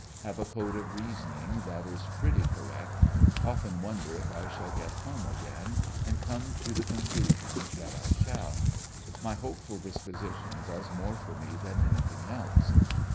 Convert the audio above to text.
Have a code of reasoning that is pretty cor rect. Often wonder if I shall get home again, and come to the con clusion that I shall. My hopeful disposition does more for me than anything else.